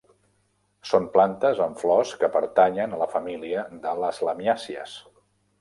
Són plantes amb flors que pertanyen a la família de les lamiàcies.